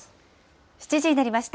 ７時になりました。